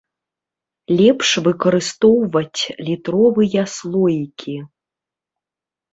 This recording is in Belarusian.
Лепш выкарыстоўваць літровыя слоікі.